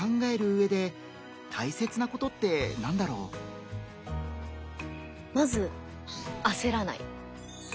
さてまずあせらない。